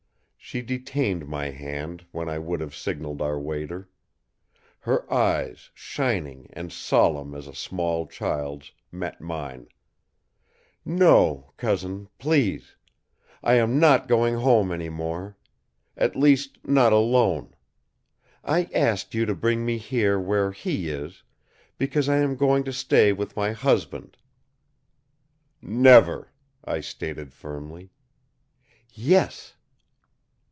She detained my hand when I would have signalled our waiter. Her eyes, shining and solemn as a small child's, met mine. "No, Cousin, please! I am not going home any more. At least, not alone. I asked you to bring me here where he is, because I am going to stay with my husband." "Never," I stated firmly. "Yes."